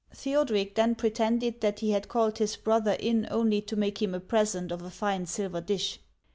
Theoderic then pretended that he had called his brother in only to make him a present of a fine silver dish.